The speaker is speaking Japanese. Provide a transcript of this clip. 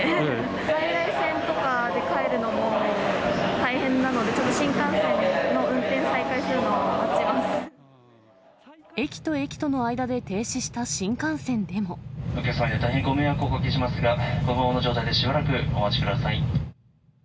在来線とかで帰るのも大変なので、ちょっと新幹線の運転再開するの駅と駅との間で停止した新幹お客様には大変ご迷惑をおかけしますが、このままの状態でしばらくお待ちください。